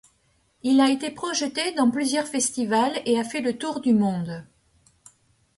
Il a été projeté dans plusieurs festivals et a fait le tour du monde.